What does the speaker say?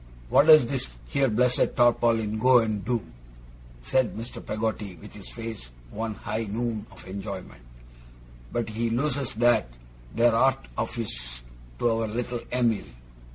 'What does this here blessed tarpaulin go and do,' said Mr. Peggotty, with his face one high noon of enjoyment, 'but he loses that there art of his to our little Em'ly.